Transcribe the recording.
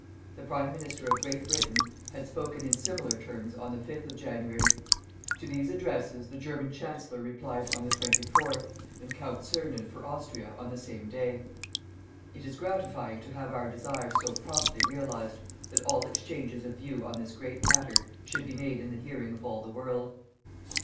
The Prime Minister of Great Britain had spoken in similar terms on the fifth of January. To these addresses the German Chancellor replied on the 24th and Count Czernin for Austria on the same day. It is gratifying to have our desire so promptly realized that all exchanges of view on this great matter should be made in the hearing of all the world.